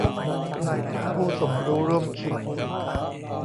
ผู้สมรู้ร่วมคิด